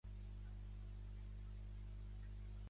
La relació de percebe i Joyce va ser complexa.